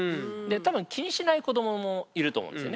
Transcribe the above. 多分気にしない子どももいると思うんですよね。